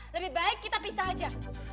lebih baik kita pisah aja